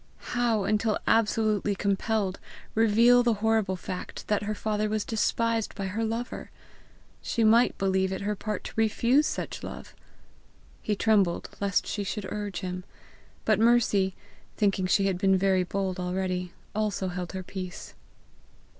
How, until absolutely compelled, reveal the horrible fact that her father was despised by her lover! She might believe it her part to refuse such love! He trembled lest she should urge him. But Mercy, thinking she had been very bold already, also held her peace.